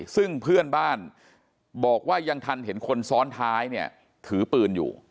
ซึ่งเพื่อนบ้านบอกว่ายังทันเห็นคนซ้อนท้ายเนี่ยถือปืนอยู่